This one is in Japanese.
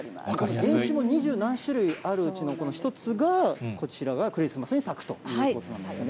原種も二十何種類あるうちのこの一つが、こちらがクリスマスに咲くということなんですね。